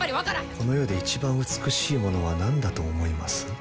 この世で一番美しいものは何だと思います？